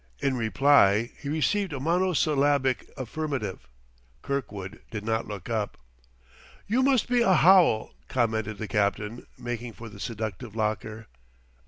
In reply he received a monosyllabic affirmative; Kirkwood did not look up. "You must be a howl," commented the captain, making for the seductive locker.